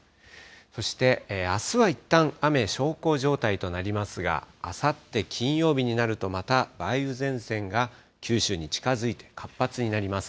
そして、あすはいったん雨、小康状態となりますが、あさって金曜日になると、また梅雨前線が九州に近づいて、活発になります。